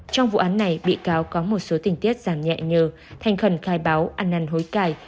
trong vụ án này bị cáo có một số tình tiết giảm nhẹ nhờ thành khẩn khai báo ăn năn hối cài